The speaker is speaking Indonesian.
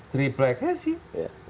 triplek ya sih